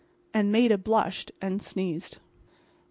And Maida blushed and sneezed.